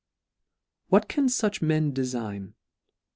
What can fuch men defign?